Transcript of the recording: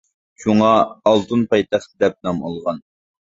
شۇڭا «ئالتۇن پايتەخت» دەپ نام ئالغان.